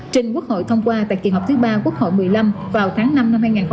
trình quốc hội thông qua tại kỳ họp thứ ba quốc hội một mươi năm vào tháng năm năm hai nghìn hai mươi